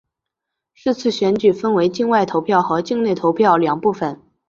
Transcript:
是次选举分为境外投票和境内投票两部分。